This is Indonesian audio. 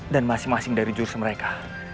dan masing masing dari jurus mereka